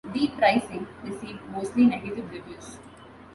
"Deep Rising" received mostly negative reviews.